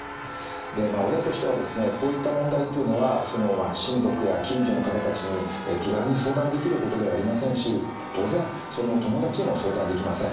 でまあ親としてはですねこういった問題っていうのは親族や近所の方たちに気軽に相談できることではありませんし当然友達にも相談できません。